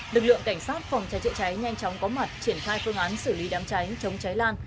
lực lượng cảnh sát phòng cháy chữa cháy nhanh chóng có mặt triển khai phương án xử lý đám cháy chống cháy lan